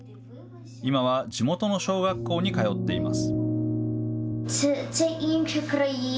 今は地元の小学校に通っています。